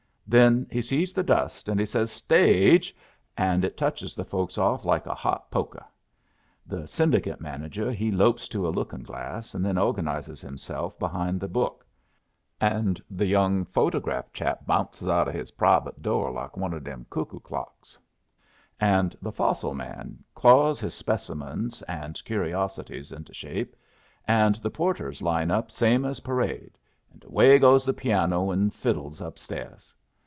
Then he sees the dust, and he says 'Stage!' and it touches the folks off like a hot pokeh. The Syndicate manager he lopes to a lookin'glass, and then organizes himself behind the book; and the young photograph chap bounces out o' his private door like one o' them cuckoo clocks; and the fossil man claws his specimens and curiosities into shape, and the porters line up same as parade, and away goes the piano and fiddles up stairs.